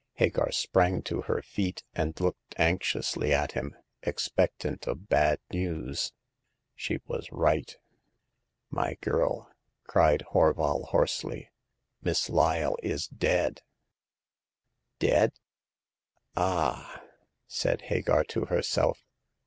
Hagar sprang to her feet, and looked anxiously at him, expectant of bad news. She was right. ." My girl," cried Horval, hoarsely, " Miss Lyle is dead !"" Dead ? Ah !" said Hagar to herself.